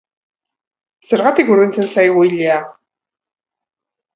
Zergatik urditzen zaigu ilea?